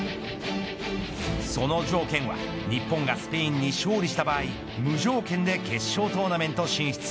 その条件は日本がスペインに勝利した場合無条件で決勝トーナメント進出。